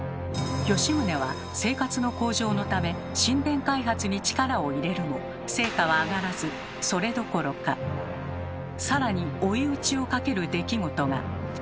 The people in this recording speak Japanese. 吉宗は生活の向上のため新田開発に力を入れるも成果は上がらずそれどころか更に追い打ちをかける出来事が。